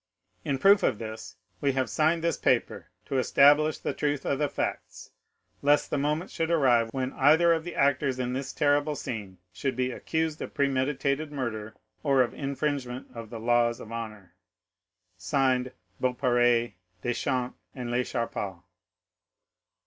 In proof of this we have signed this paper to establish the truth of the facts, lest the moment should arrive when either of the actors in this terrible scene should be accused of premeditated murder or of infringement of the laws of honor. "'Signed, Beaurepaire, Duchampy, and Lecharpal.